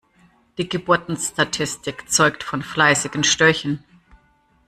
Die Geburtenstatistik zeugt von fleißigen Störchen.